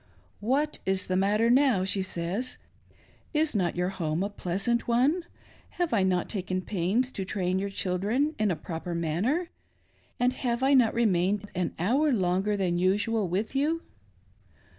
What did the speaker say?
" What is the matter now "i " she says ;" Is not your home a pleasant one ; have I not taken pains to train your children in a proper manner ; and have I not remained an hour longer than usual with you